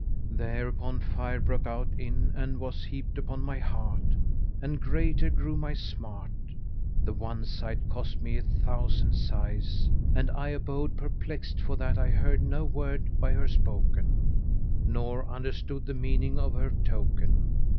Thereupon fire broke out in and was heaped upon my heart, and greater grew my smart; the one sight cost me a thousand sighs and I abode perplexed, for that I heard no word by her spoken, nor understood the meaning of her token.